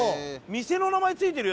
店の名前付いてるよ。